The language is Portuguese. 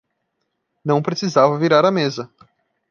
Não precisava virar a mesa